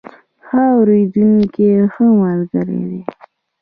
ښه اورېدونکي ښه ملګري دي.